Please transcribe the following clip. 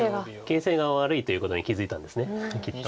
形勢が悪いということに気付いたんですきっと。